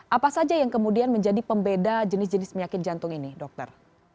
apa saja yang kemudian menjadi pembeda jenis jenis penyakit jantung ini dokter